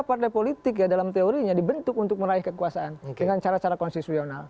atau politik dalam teorinya dibentuk untuk meraih kekuasaan dengan cara cara konsesional